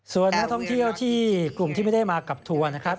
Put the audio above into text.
ส่วนนักท่องเที่ยวที่กลุ่มที่ไม่ได้มากับทัวร์นะครับ